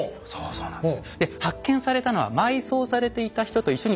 そうなんです。